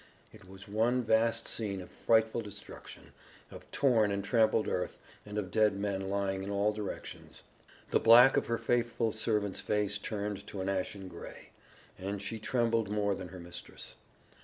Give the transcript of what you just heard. It was one vast scene of frightful destruction, of torn and trampled earth and of dead men lying in all directions. The black of her faithful servant's face turned to an ashen gray, and she trembled more than her mistress.